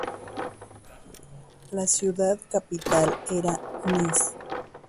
La ciudad capital era Niš.